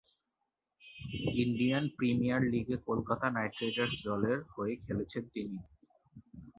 Indian Premier লীগে Kolkata Knight Riders দলের হয়ে খেলছেন তিনি।